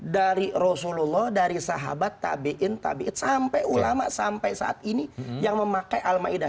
dari rasulullah dari sahabat tabi'in tabi'id sampai ulama sampai saat ini yang memakai al ma'idah